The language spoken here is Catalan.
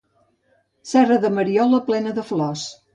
Serra de Mariola plena de flors